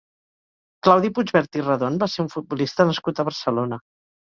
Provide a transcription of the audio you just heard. Claudi Puigvert i Redon va ser un futbolista nascut a Barcelona.